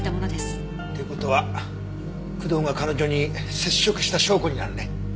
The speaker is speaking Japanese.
って事は工藤が彼女に接触した証拠になるね。